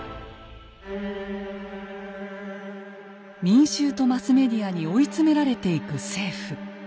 民衆とマスメディアに追い詰められてゆく政府。